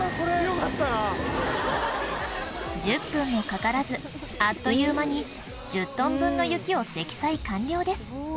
１０分もかからずあっという間に１０トン分の雪を積載完了です